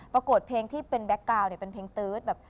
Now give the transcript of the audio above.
ปรากฏเพลงที่เป็นแบคกราวน์เป็นเพลงตื๊ดแบบ